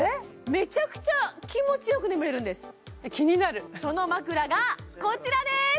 めちゃくちゃ気持ちよく眠れるんです気になるその枕がこちらです！